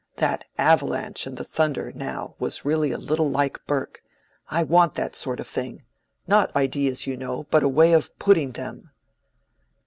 That avalanche and the thunder, now, was really a little like Burke. I want that sort of thing—not ideas, you know, but a way of putting them."